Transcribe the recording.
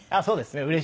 そうですね。